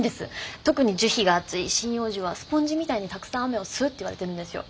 特に樹皮が厚い針葉樹はスポンジみたいにたくさん雨を吸うっていわれてるんですよ。